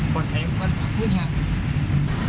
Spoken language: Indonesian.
buat saya bukan tak punya